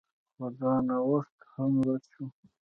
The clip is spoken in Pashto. خو دا نوښت هم رد شو